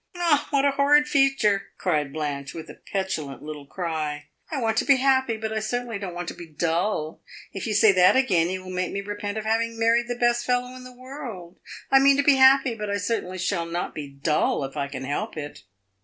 "Ah, what a horrid future!" cried Blanche, with a little petulant cry. "I want to be happy, but I certainly don't want to be dull. If you say that again you will make me repent of having married the best fellow in the world. I mean to be happy, but I certainly shall not be dull if I can help it."